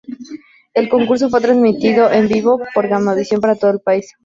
El concurso fue transmitido en vivo por Gamavisión para todo el país.